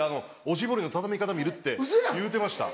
おしぼりの畳み方見るって言うてました。